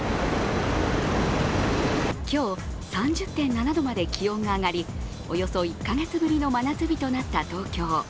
今日、３０．７度まで気温が上がり、およそ１か月ぶりの真夏日となった東京。